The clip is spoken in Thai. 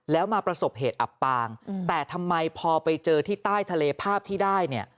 แล้วมาประสบเหตุอับปางแต่ทำไมพอไปเจอที่ใต้ทะเลภาพที่ได้เนี่ย